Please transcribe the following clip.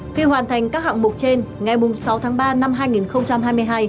khi hoàn thành các hạng mục trên ngày sáu tháng ba năm hai nghìn hai mươi hai